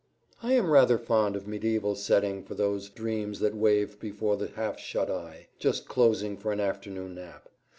I am rather fond of a mediæval setting for those "Dreams that wave before the half shut eye," just closing for an afternoon nap.